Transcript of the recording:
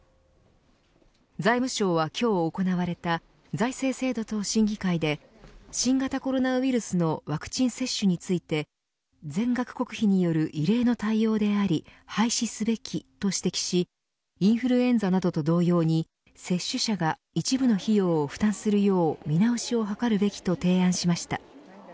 財務省は今日行われた財政制度等審議会で新型コロナウイルスのワクチン接種について全額国費による異例の対応であり廃止すべきと指摘しインフルエンザなどと同様に接種者が一部の費用を負担するよう見直しを図るべきと提案しました。